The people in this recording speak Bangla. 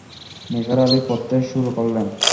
নিসার আলি পড়তে শুরু করলেন।